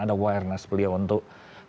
ada awareness beliau untuk